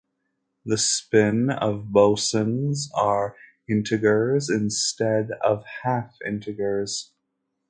The spin of bosons are integers instead of half integers.